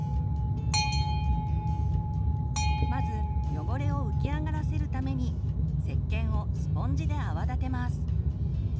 まず汚れを浮き上がらせるためにせっけんをスポンジで泡立てます。